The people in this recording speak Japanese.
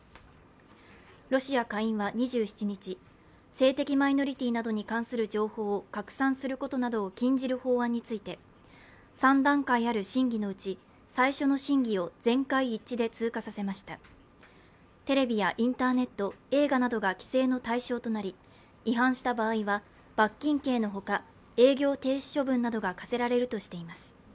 ロシア下院は２７日、性的マイノリティーなどに関する情報を拡散することなどを禁じる法案について３段階ある審議のうち最初の審議を全会一致で通過させましたテレビやインターネット、映画などが規制の対象となり違反した場合は、罰金刑のほか、営業停止処分などが科せられるとしています。